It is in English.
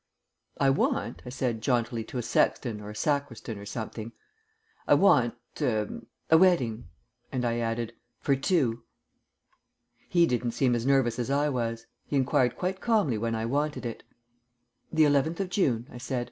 "I want," I said jauntily to a sexton or a sacristan or something "I want er a wedding." And I added, "For two." He didn't seem as nervous as I was. He enquired quite calmly when I wanted it. "The eleventh of June," I said.